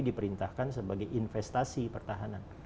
diperintahkan sebagai investasi pertahanan